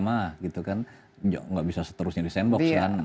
jadi kita bisa berapa lama gitu kan nggak bisa seterusnya di sandbox kan